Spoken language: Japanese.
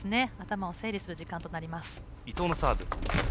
頭を整理する時間となります。